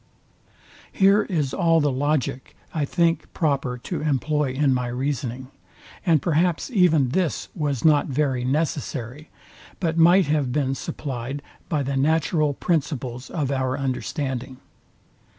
Here is all the LOGIC I think proper to employ in my reasoning; and perhaps even this was not very necessary, but might have been supplyd by the natural principles of our understanding.